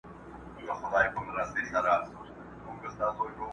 پر خړه مځکه به یې سیوري نه وي!